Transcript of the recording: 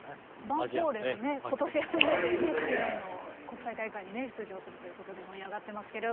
ヴァンフォーレが今年初めてね海外の国際大会に出場するということで盛り上がってますけれど。